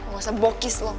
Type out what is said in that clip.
gak usah bokis lo